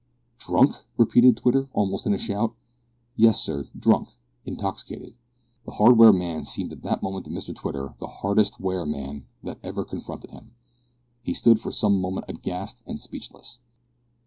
"Drunk!" repeated Twitter, almost in a shout. "Yes, sir, drunk intoxicated." The hardware man seemed at that moment to Mr Twitter the hardest ware man that ever confronted him. He stood for some moments aghast and speechless.